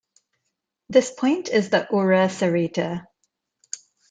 This point is the ora serrata.